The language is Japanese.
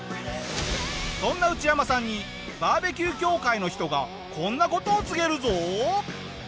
そんなウチヤマさんにバーベキュー協会の人がこんな事を告げるぞ！